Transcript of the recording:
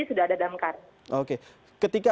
sudah ada damkar oke ketika